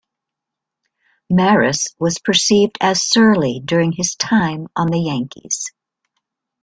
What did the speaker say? Maris was perceived as surly during his time on the Yankees.